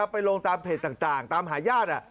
ไปลงตามเพจต่างตามหาญาติ